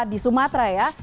di sumatera ya